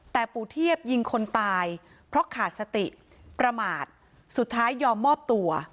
แต่ปู่เทียบยิงคนตายเพราะขาดสติประมาทสุดท้ายยอมมอบตัว